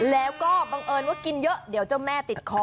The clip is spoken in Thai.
แล้วก็บังเอิญว่ากินเยอะเดี๋ยวเจ้าแม่ติดคอ